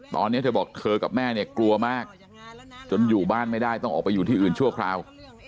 ตอนนี้เธอบอกเธอกับแม่เนี่ยกลัวมากจนอยู่บ้านไม่ได้ต้องออกไปอยู่ที่อื่นชั่วคราว